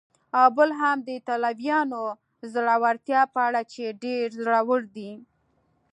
او بل هم د ایټالویانو د زړورتیا په اړه چې ډېر زړور دي.